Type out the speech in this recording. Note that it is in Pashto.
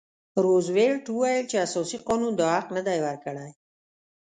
روزولټ وویل چې اساسي قانون دا حق نه دی ورکړی.